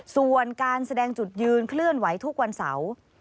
ส่วนการแสดงจุดยืนเคลื่อนไหวทุกวันเสาร์